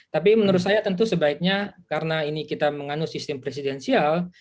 tapi menurut saya tentu sebaiknya karena ini kita menganut sistem presidensial